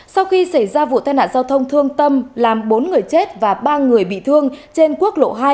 sau khi xảy ra vụ tai nạn giao thông thương tâm làm bốn người chết và ba người bị thương trên quốc lộ hai